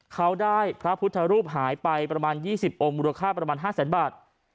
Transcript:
เขาได้พระพุทธรูปหายไปประมาณ๒๐องค์มูลค่าประมาณ๕แสนบาท